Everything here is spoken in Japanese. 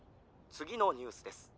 つぎのニュースです。